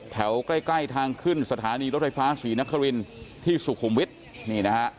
แถวใกล้ใกล้ทางขึ้นสถานีรถไฟฟ้าศรีนครินที่สุขุมวิทย์นี่นะฮะ